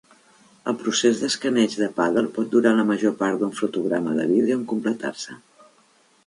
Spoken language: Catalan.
El procés d'escaneig de Paddle pot durar la major part d'un fotograma de vídeo en completar-se.